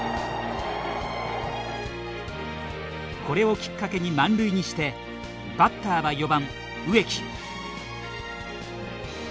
これをきっかけに満塁にしてバッターは４番・植木。